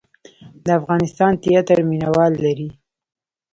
د افغانستان تیاتر مینه وال لري